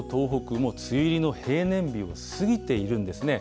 もう、梅雨入りの平年日を過ぎているんですね。